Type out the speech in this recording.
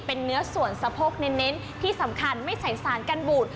เป็นเนื้อส่วนสะโพกเน้นที่สำคัญไม่ใส่สารกันบูด